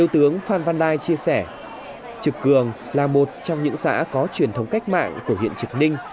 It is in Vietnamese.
trực cường là một trong những xã có truyền thống cách mạng của huyện trực ninh